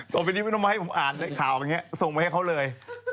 ตัวไปนี้ไม่ต้องมาให้ผมอ่านด้วยข่าวแบบนี้ส่งมาให้เขาเลย